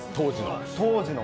当時の。